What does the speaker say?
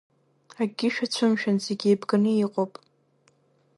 Акгьы шәацәымшәан зегьы еибганы иҟоуп.